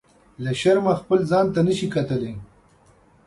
له شرمه خپل ځان ته نه شي کتلی.